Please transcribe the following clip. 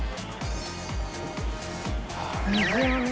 水あめ？